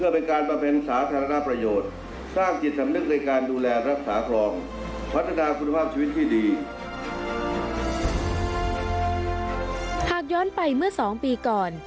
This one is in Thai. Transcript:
หากย้อนไปเมื่อ๒ปีก่อน